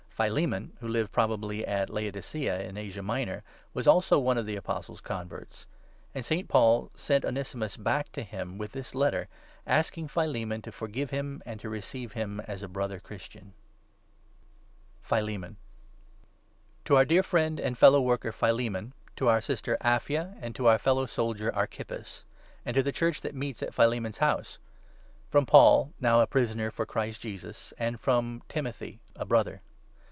Philemon, who lived probably at Laodicea in Asia Minor, was also one of the Apostle's converts; and St. Paul sent Onesimus back to him with this Letter, asking Philemon to forgive him, and to receive him as a Brother Christian. PHILEMON. I. — INTRODUCTION. To our dear friend and fellow worker Philemon, to our sister I, 2 Apphia, to our fellow soldier Archippus ; AND TO the Church that meets at Philemon's house ; FROM Paul, now a prisoner for Christ Jesus, AND FROM Timothy, a Brother.